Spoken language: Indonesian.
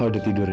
kamu baru turun